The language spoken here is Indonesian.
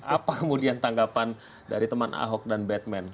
apa kemudian tanggapan dari teman ahok dan batman